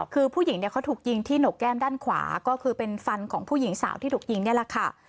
คือผู้หญิงเนี่ยเขาถูกยิงที่หนกแก้มด้านขวาก็คือเป็นฟันของผู้หญิงสาวที่ถูกยิงนี่แหละค่ะ